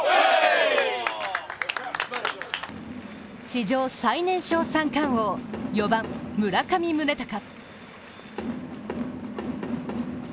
史上最年少三冠王、４番・村上宗隆。